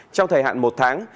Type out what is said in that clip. trong thời hạn một tháng